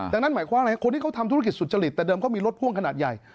ดังนั้นหมายความอะไรคนที่เขาทำธุรกิจสุจริตแต่เดิมเขามีรถพ่วงขนาดใหญ่